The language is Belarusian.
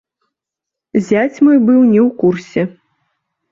Зяць мой быў не ў курсе.